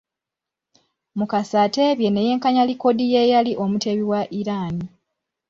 Mukasa ateebye ne yenkanya likodi y’eyali omuteebi wa Iran.